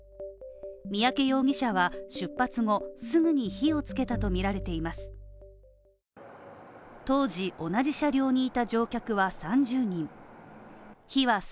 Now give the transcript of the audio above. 三宅容疑者は出発後すぐに火をつけたとみられています。